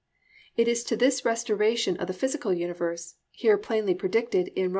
"+ It is to this restoration of the physical universe, here plainly predicted in Rom.